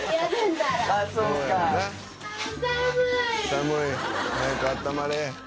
「寒い。早くあったまれ」